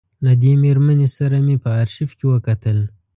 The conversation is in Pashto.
له دې مېرمنې سره مې په آرشیف کې وکتل.